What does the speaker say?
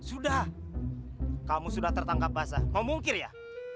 sudah kamu sudah tertangkap basah mau mungkin ya